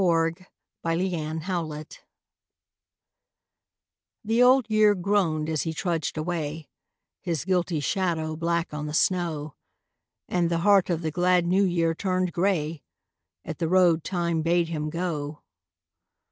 BLOOD ROAD THE Old Year groaned as he trudged away, His guilty shadow black on the snow, And the heart of the glad New Year turned grey At the road Time bade him go.